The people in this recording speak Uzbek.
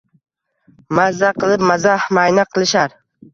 Maza qilib mazah, mayna qilishar.